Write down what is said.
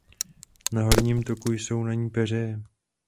Na horním toku jsou na ní peřeje.